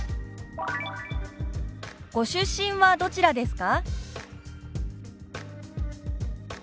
「ご出身はどちらですか？」。